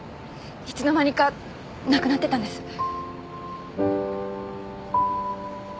いつの間にかなくなってたんです。